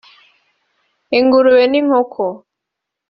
ingurube n’ inkoko